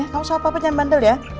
kamu sama papa jangan bandel ya